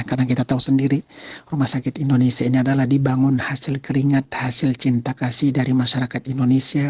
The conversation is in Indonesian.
karena kita tahu sendiri rumah sakit indonesia ini adalah dibangun hasil keringat hasil cinta kasih dari masyarakat indonesia